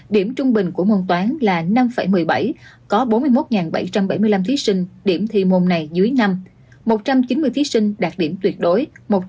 điểm trung bình của môn toán là năm một mươi bảy có bốn mươi một bảy trăm bảy mươi năm thí sinh điểm thi môn này dưới năm